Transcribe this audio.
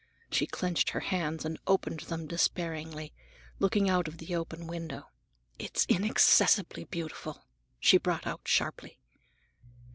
She clenched her hands and opened them despairingly, looking out of the open window. "It's inaccessibly beautiful!" she brought out sharply.